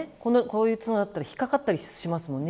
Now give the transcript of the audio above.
こういう角だったら引っ掛かったりしますもんね